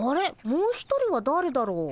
もう一人はだれだろう。